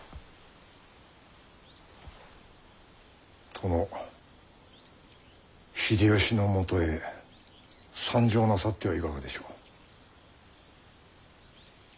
殿秀吉のもとへ参上なさってはいかがでしょう。